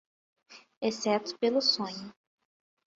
exceto pelo sonho.